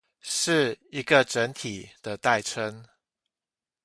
是一個整體的代稱